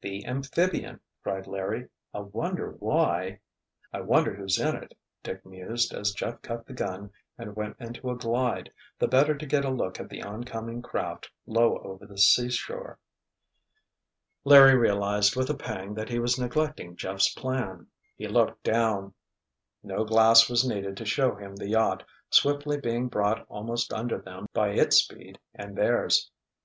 "The amphibian!" cried Larry. "I wonder why——" "I wonder who's in it?" Dick mused as Jeff cut the gun and went into a glide, the better to get a look at the oncoming craft low over the seashore. Larry realized with a pang that he was neglecting Jeff's plan. He looked down. No glass was needed to show him the yacht, swiftly being brought almost under them by its speed and theirs.